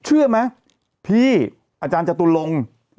เชื่อไหมพี่อาจารย์จตุลง